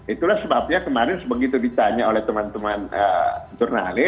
itulah sebabnya kemarin begitu ditanya oleh teman teman jurnal